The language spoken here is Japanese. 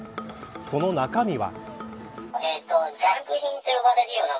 その中身は。